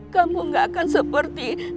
kamu gak akan seperti